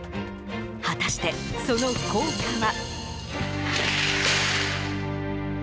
果たしてその効果は？